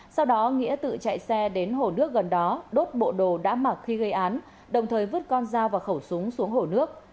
sau đó nghĩa tự chạy xe đến hồ nước gần đó đốt bộ đồ đã mặc khi gây án đồng thời vứt con dao và khẩu súng xuống hồ nước